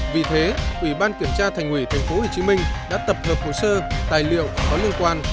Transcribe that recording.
vì thế ủy ban kiểm tra thành ủy thành phố hồ chí minh đã tập hợp hồ sơ tài liệu có liên quan